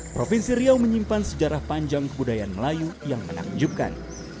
provinsi riau menyimpan sejarah panjang kebudayaan melayu yang menakjubkan